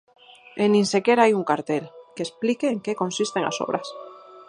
E "nin sequera hai un cartel" que explique en que consisten as obras.